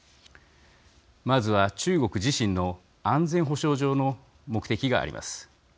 まずは中国自身の安全保障上の目的があります。